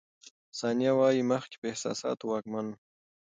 ثانیه وايي، مخکې په احساساتو واکمن وم.